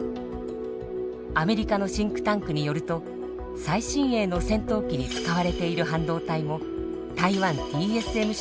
アメリカのシンクタンクによると最新鋭の戦闘機に使われている半導体も台湾ＴＳＭＣ